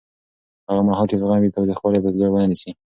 هغه مهال چې زغم وي، تاوتریخوالی به ځای ونه نیسي.